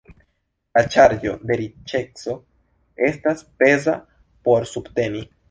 La ŝarĝo de riĉeco estas peza por subteni.